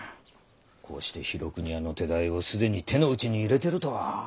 こうして廣國屋の手代をすでに手の内に入れてるとは。